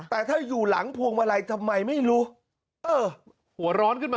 แต่ถ้าอยู่หลังภวงมารัยทำไมไม่รู้